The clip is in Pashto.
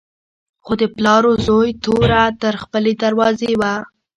خو د پلار و زوی توره تر خپلې دروازې وه.